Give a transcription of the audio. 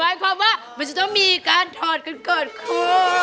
หมายความว่ามันจะต้องมีการถอดกันก่อนคู่